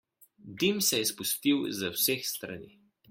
Dim se je spustil z vseh strani.